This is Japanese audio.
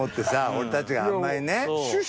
俺たちがあんまりね。